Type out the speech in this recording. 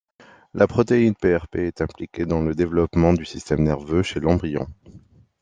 La protéine PrP est impliquée dans le développement du système nerveux chez l'embryon.